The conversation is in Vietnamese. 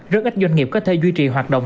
rất ít doanh nghiệp có thể duy trì hoạt động